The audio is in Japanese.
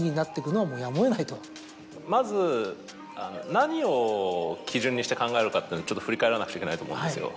まず何を基準にして考えるかっていうのを振り返らなくちゃいけないと思うんですよ。